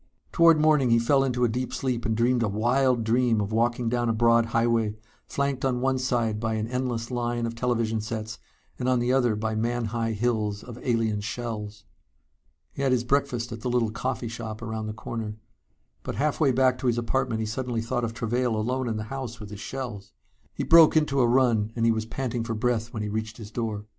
Toward morning he fell into a deep sleep and dreamed a wild dream of walking down a broad highway, flanked on one side by an endless line of television sets and on the other by man high hills of alien shells. He had his breakfast at the little coffee shop around the corner. But halfway back to his apartment he suddenly thought of Travail alone in the house with his shells. He broke into a run and he was panting for breath when he reached his door.